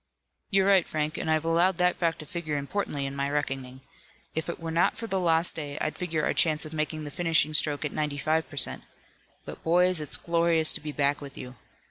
"You're right, Frank, and I've allowed that fact to figure importantly in my reckoning. If it were not for the lost day I'd figure our chance of making the finishing stroke at ninety five per cent. But boys, it's glorious to be back with you.